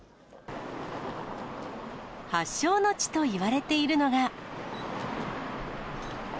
発祥の地といわれているのが。